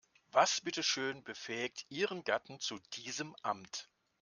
Was bitteschön befähigt ihren Gatten zu diesem Amt?